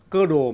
cơ đồ mà dùng